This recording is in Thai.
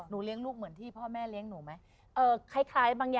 เลี้ยงลูกเหมือนที่พ่อแม่เลี้ยงหนูไหม